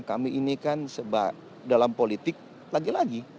kami ini kan dalam politik lagi lagi